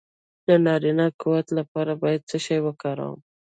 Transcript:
د نارینه قوت لپاره باید څه شی وکاروم؟